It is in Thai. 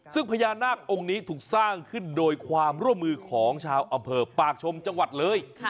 ซึ่งพญานาคองค์นี้ถูกสร้างขึ้นโดยความร่วมมือของชาวอำเภอปากชมจังหวัดเลย